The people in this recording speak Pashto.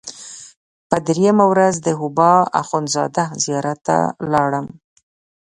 په درېیمه ورځ د حبوا اخندزاده زیارت ته لاړم.